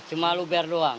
cuma luber doang